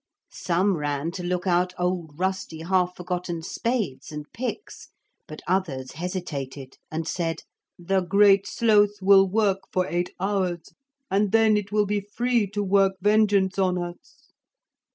Some ran to look out old rusty half forgotten spades and picks. But others hesitated and said: 'The Great Sloth will work for eight hours, and then it will be free to work vengeance on us.'